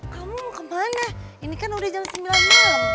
kamu mau kemana ini kan udah jam sembilan malam